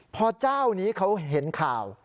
พอเจ้านี้เขาเห็นข่าว